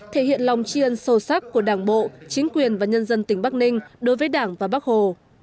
thể hiện lòng chiên sâu sắc của đảng bộ chính quyền và nhân dân tỉnh bắc ninh đối với đảng và bắc hồ